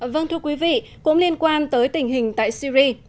vâng thưa quý vị cũng liên quan tới tình hình tại syri